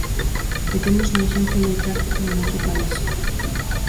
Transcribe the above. E temos un exemplo moi práctico no noso país.